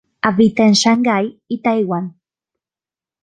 Habita en Shanghái y Taiwán.